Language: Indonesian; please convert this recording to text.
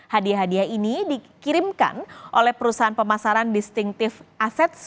hadiah hadiah ini dikirimkan oleh perusahaan pemasaran distinctive assets